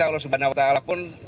allah subhanahu wa ta'ala pun